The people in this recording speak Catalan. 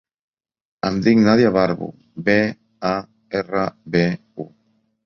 Em dic Nàdia Barbu: be, a, erra, be, u.